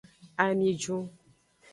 Ami jun.